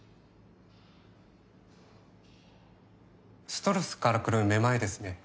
・ストレスからくるめまいですね。